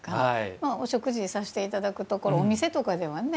お食事させて頂くところお店とかではね